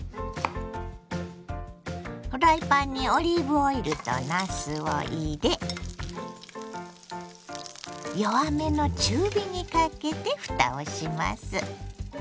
フライパンにオリーブオイルとなすを入れ弱めの中火にかけてふたをします。